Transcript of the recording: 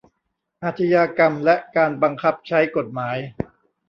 อาชญากรรมและการบังคับใช้กฎหมาย